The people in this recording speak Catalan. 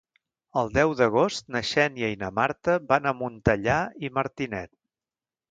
El deu d'agost na Xènia i na Marta van a Montellà i Martinet.